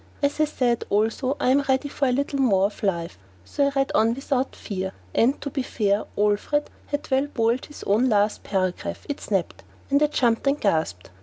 As I said, also, I am ready for a little more of life, so I read on without fear. And, to be fair, Alfred had well boiled his own last paragraph. It snapped; and I jumped and gasped.